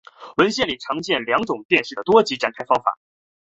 文献里常见到两种电势的多极展开方法。